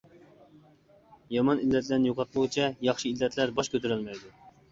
يامان ئىللەتلەرنى يوقاتمىغۇچە، ياخشى ئىللەتلەر باش كۆتۈرەلمەيدۇ.